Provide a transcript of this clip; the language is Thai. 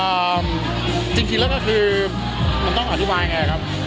ความรู้สึกครอบครัวอะไรครับก็อ่าจริงแล้วก็คือมันต้องอธิบายอย่างนี้ครับ